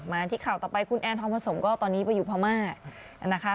มาที่ข่าวต่อไปคุณแอนทองผสมก็ตอนนี้ไปอยู่พม่านะคะ